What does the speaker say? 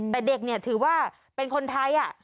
แต่เด็กเนี่ยถือว่าเป็นคนไทย